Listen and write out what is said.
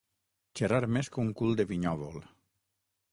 Xerrar més que un cul de vinyòvol.